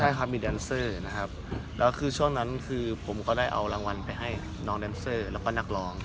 ใช่ครับมีแดนเซอร์นะครับแล้วคือช่วงนั้นคือผมก็ได้เอารางวัลไปให้น้องแดนเซอร์แล้วก็นักร้อง